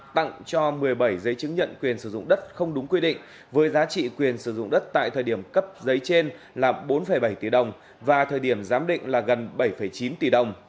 tặng cho một mươi bảy giấy chứng nhận quyền sử dụng đất không đúng quy định với giá trị quyền sử dụng đất tại thời điểm cấp giấy trên là bốn bảy tỷ đồng và thời điểm giám định là gần bảy chín tỷ đồng